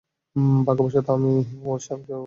ভাগ্যবশত, আমি ওরসনকে নজরে রাখছিলাম।